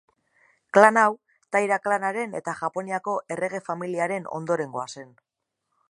Klan hau, Taira klanaren eta Japoniako errege familiaren ondorengoa zen.